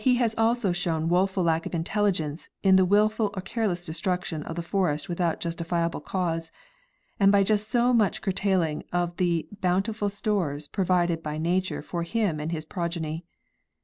has also shown a woeful lack of intelligence in the willful or careless destruction of the forest without justifiable cause, and by just so much curtailing the bountiful stores provided by nature for him and his progeny.